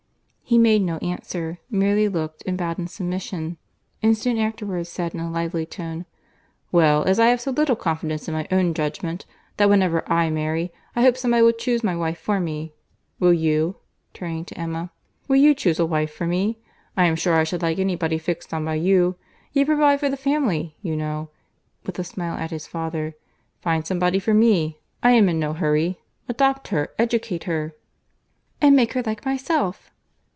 He made no answer; merely looked, and bowed in submission; and soon afterwards said, in a lively tone, "Well, I have so little confidence in my own judgment, that whenever I marry, I hope some body will chuse my wife for me. Will you? (turning to Emma.) Will you chuse a wife for me?—I am sure I should like any body fixed on by you. You provide for the family, you know, (with a smile at his father). Find some body for me. I am in no hurry. Adopt her, educate her." "And make her like myself."